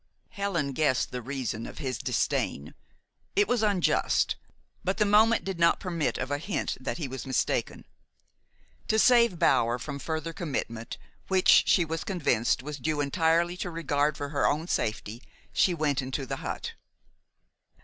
Helen guessed the reason of his disdain. It was unjust; but the moment did not permit of a hint that he was mistaken. To save Bower from further commitment which, she was convinced, was due entirely to regard for her own safety she went into the hut.